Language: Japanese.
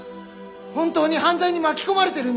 本当に犯罪に巻き込まれてるんですよ！